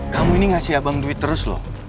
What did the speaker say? kamu ini ngasih abang duit terus loh